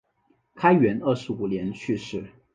开元二十五年去世。